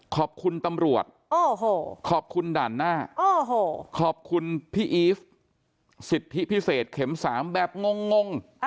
ขอบคุณตำรวจขอบคุณด่านหน้าขอบคุณพี่อีฟสิทธิพิเศษเข็ม๓แบบงง